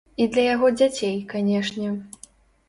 І для яго дзяцей, канешне.